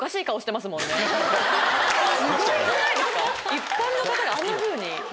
一般の方があんなふうに？